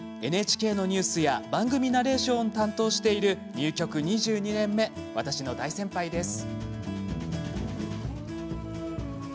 ＮＨＫのニュースや番組ナレーションを担当している入局２２年目、私の大先輩です。